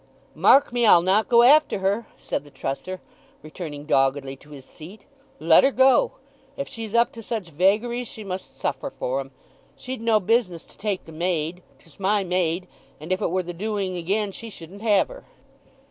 "Mark me—I'll not go after her!" said the trusser, returning doggedly to his seat. "Let her go! If she's up to such vagaries she must suffer for 'em. She'd no business to take the maid—'tis my maid; and if it were the doing again she shouldn't have her!"